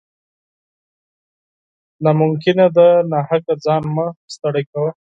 نا ممکنه ده ، ناحقه ځان مه ستړی کوه